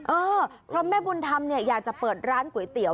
เออเพราะแม่บุญธรรมเนี่ยอยากจะเปิดร้านก๋วยเตี๋ย